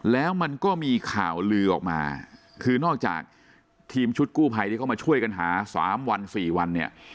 แล้วมันก็มีข่าวลือออกมาคือนอกจากทีมชุดกู้ภัยที่เขามาช่วยกันหา๓วัน๔วันเนี่ย